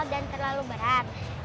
itu terlalu berat